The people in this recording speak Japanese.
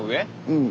うん。